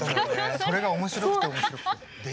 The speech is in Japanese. それが面白くて面白くて。